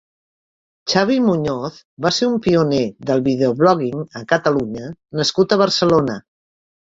Xavi Muñoz va ser un pioner del videoblogging a Catalunya nascut a Barcelona.